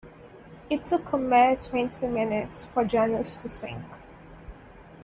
It took a mere twenty minutes for "Janus" to sink.